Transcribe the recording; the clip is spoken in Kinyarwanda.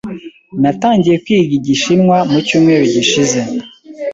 Natangiye kwiga Igishinwa mu cyumweru gishize.